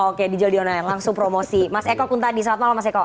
oke di judi online langsung promosi mas eko kuntadi selamat malam mas eko